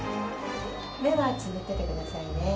目はつむっててくださいね。